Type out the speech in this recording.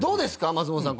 松本さん